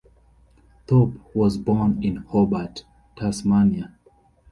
Thorp was born in Hobart, Tasmania.